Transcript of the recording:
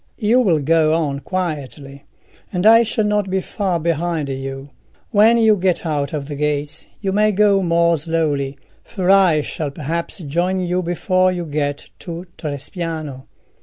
You will go on quietly, and I shall not be far behind you. When you get out of the gates you may go more slowly, for I shall perhaps join you before you get to Trespiano."